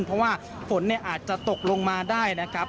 เพราะว่าฝนอาจจะตกลงมาได้นะครับ